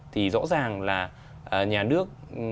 tôi nghĩ rằng là nhà nước